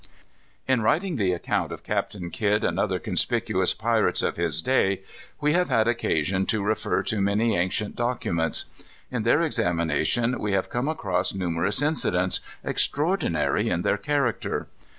In writing the account of Captain Kidd and other conspicuous pirates of his day, we have had occasion to refer to many ancient documents. In their examination we have come across numerous incidents, extraordinary in their character.